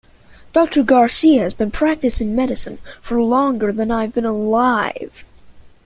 Doctor Garcia has been practicing medicine for longer than I have been alive.